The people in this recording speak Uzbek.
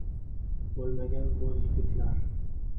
boʼlmagan boʼz yigitlar